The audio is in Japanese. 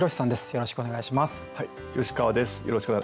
よろしくお願いします。